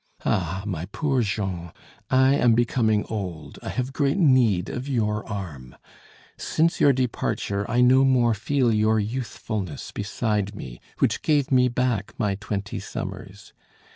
"Ah! my poor Jean, I am becoming old, I have great need of your arm. Since your departure I no more feel your youthfulness beside me, which gave me back my twenty summers.